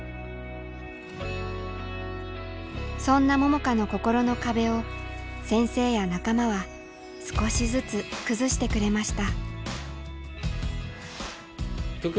そんな桃佳の心の壁を先生や仲間は少しずつ崩してくれました。